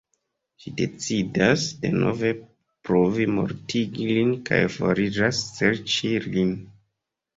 Ŝi decidas denove provi mortigi lin kaj foriras serĉi lin.